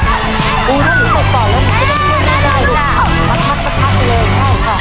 ดูเขาอยู่ในต่อแล้วจะได้เชื่อไม่ได้เลยพักพักพักพักเลยใช่ค่ะ